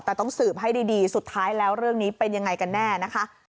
แต่ต้องสืบให้ดีสุดท้ายแล้วเรื่องนี้เป็นยังไงกันแน่นะคะ